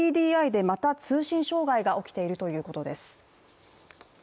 ＫＤＤＩでまた通信障害が起きているということです。